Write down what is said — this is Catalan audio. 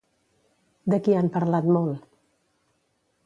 De qui han parlat molt?